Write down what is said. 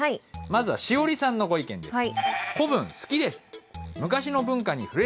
まずはしおりさんのご意見です。